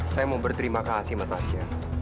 saya mau berterima kasih sama tasya